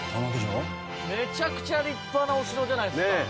めちゃくちゃ立派なお城じゃないですか。